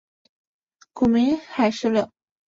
古名海石榴。